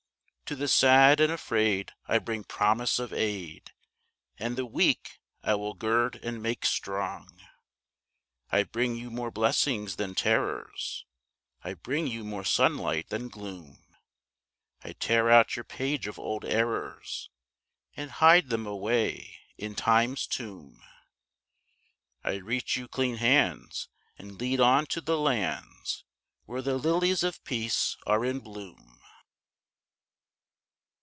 To the sad and afraid I bring promise of aid, And the weak I will gird and make strong. "I bring you more blessings than terrors, I bring you more sunlight than gloom, I tear out your page of old errors, And hide them away in Time's tomb. I reach you clean hands, and lead on to the lands Where the lilies of peace are in bloom."